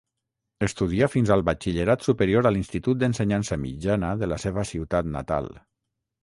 Estudià fins al batxillerat superior a l'institut d'ensenyança mitjana de la seva ciutat natal.